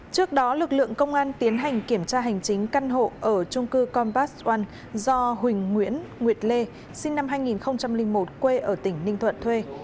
trước đó lực lượng công an tiến hành kiểm tra hành chính căn hộ ở trung cư compax oan do huỳnh nguyễn nguyệt lê sinh năm hai nghìn một quê ở tỉnh ninh thuận thuê